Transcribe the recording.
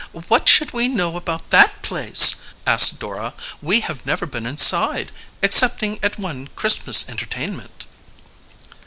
"What should we know about that place?" asked Dora. "We have never been inside, excepting at one Christmas entertainment."